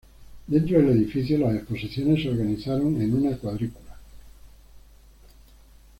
Dentro del edificio, las exposiciones se organizaron en una cuadrícula.